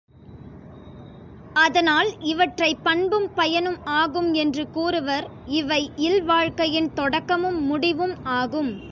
அதனால் இவற்றைப் பண்பும் பயனும் ஆகும் என்று கூறுவர் இவை இல்வாழ்க்கையின் தொடக்கமும் முடிவும் ஆகும்.